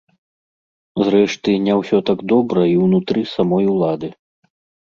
Зрэшты, не ўсё так добра і ўнутры самой улады.